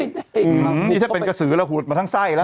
นี่ถ้าเป็นกระสือเราหุดมาทั้งไส้แล้ว